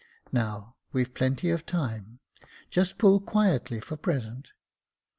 " Now, we've plenty of time ; just pull quietly for the present."